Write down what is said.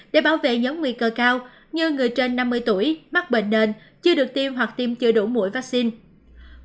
để bảo vệ nhóm nguy cơ cao như người trên năm mươi tuổi mắc bệnh nền chưa được tiêm hoặc tiêm chưa đủ mũi vaccine